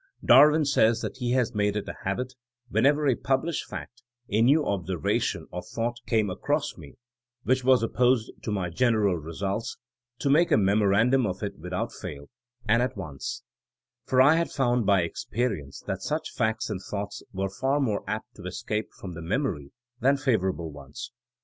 Darwin says that he had made it a habit '^whenever a published fact, a new ob servation or thought came across me, which was opposed to my general results, to make a memo randum of it without fail and at once; for I had found by experience that such facts and thoughts were far more apt to escape from the memory than favorable ones."